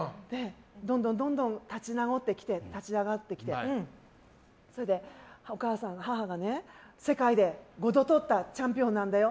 どんどん立ち直ってきて立ち上がってきて母が、世界で５度とったチャンピオンなんだよ